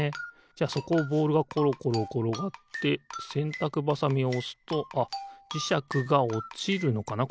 じゃあそこをボールがころころころがってせんたくばさみをおすとあっじしゃくがおちるのかな？